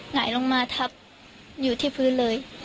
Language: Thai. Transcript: แหงลงมาทำอยู่ที่พื้นเลย